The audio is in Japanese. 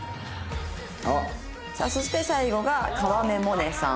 そして最後が川目モネさん。